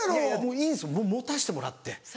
いいんですよもう持たしてもらって。